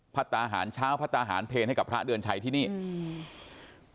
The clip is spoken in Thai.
ตาหารเช้าพระตาหารเพลให้กับพระเดือนชัยที่นี่อืม